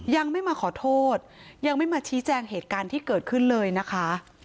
ยังไม่มาขอโทษยังไม่มาชี้แจงเหตุการณ์ที่เกิดขึ้นเลยนะคะ